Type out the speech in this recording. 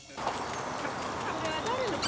「これは誰の車？」。